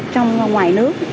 trong ngoài nước